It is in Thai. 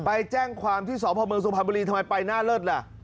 ไปแจ้งความที่ศพมสมพันธ์บรีทำไมไปหน้าเริดล่ะ